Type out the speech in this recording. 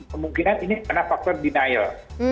kemungkinan ini karena faktor denial